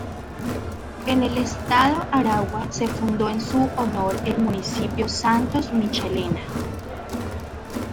En el estado Aragua se fundó en su honor el Municipio Santos Michelena.